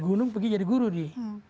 gunung pergi jadi guru nih